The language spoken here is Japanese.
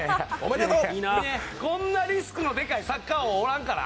こんなリスクのでかいサッカー王、おらんから。